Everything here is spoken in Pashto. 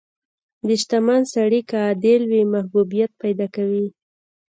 • شتمن سړی که عادل وي، محبوبیت پیدا کوي.